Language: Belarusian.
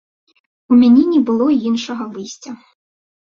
У мяне не было іншага выйсця.